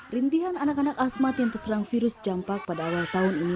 rintihan anak anak asmat yang terserang virus campak pada awal tahun ini